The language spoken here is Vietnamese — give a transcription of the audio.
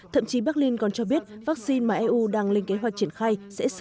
thậm chí berlin còn cho biết vaccine mà eu đang lên kế hoạch triển khai sẽ sử dụng